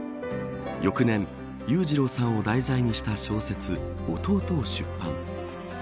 翌年、裕次郎さんを題材にした小説、弟を出版。